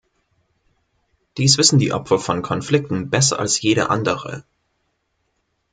Dies wissen die Opfer von Konflikten besser als jeder Andere.